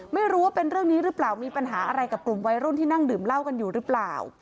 ไม่รู้ว่าเป็นเรื่องนี้หรือเปล่ามีปัญหาอะไรกับกลุ่มวัยรุ่นที่นั่งดื่มเหล้ากันอยู่หรือเปล่า